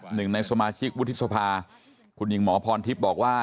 หนึ่งในสมาชิกวุฒิสภาคุณหญิงหมอพรทิพย์บอกว่า